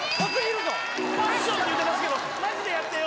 パッションって言うてますけどマジでやってよ